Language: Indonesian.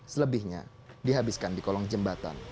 selebihnya dihabiskan di kolong jembatan